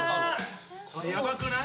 ・これヤバくない？